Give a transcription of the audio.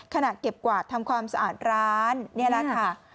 เก็บกวาดทำความสะอาดร้านนี่แหละค่ะ